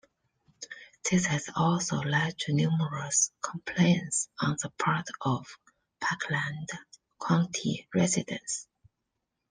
This has also led to numerous complaints on the part of Parkland County residents.